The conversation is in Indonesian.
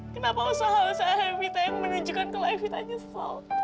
kenapa usaha usaha evita yang menunjukkan kalau evita nyesel